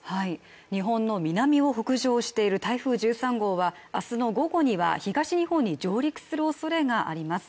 日本の南を北上している台風１３号は、明日の午後には東日本に上陸するおそれがあります。